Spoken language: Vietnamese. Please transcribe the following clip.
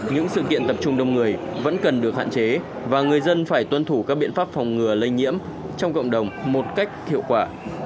những sự kiện tập trung đông người vẫn cần được hạn chế và người dân phải tuân thủ các biện pháp phòng ngừa lây nhiễm trong cộng đồng một cách hiệu quả